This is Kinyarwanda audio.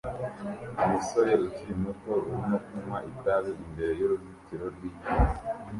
Umusore ukiri muto urimo kunywa itabi imbere y'uruzitiro rw'icyuma